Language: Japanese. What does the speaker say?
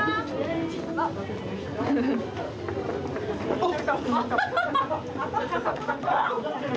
おっ！